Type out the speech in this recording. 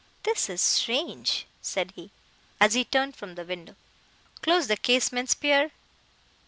"This is strange!" said he, as he turned from the window, "Close the casements, Pierre."